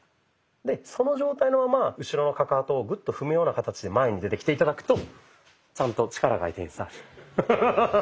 でその状態のまま後ろのカカトをグッと踏むような形で前に出てきて頂くとちゃんと力が相手に伝わる。